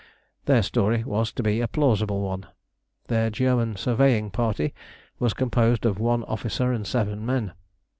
Their story was to be a plausible one. Their German surveying party was composed of one officer and seven men.